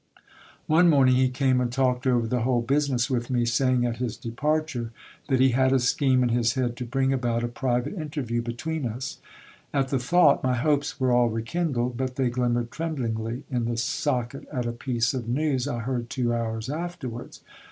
One morning he came and talked over the whole business with me, saying at his departure, that he had a scheme in his THE JOURNE YAIAN BARBER'S STOR Y. 67 head, to bring about a private interview between us. At the thought my hopes were all re kindled, but they glimmered tremblingly in the socket at a piece of news I heard two hours afterwards.